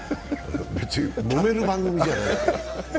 別にもめる番組じゃないから。